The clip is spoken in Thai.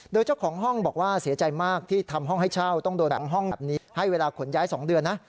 โดยเจ้าของห้องบอกว่าเสียใจมากที่ทำห้องให้เช่าต้องโดนหลังห้องแบบนี้ให้เวลาขนย้าย๒เดือนนะ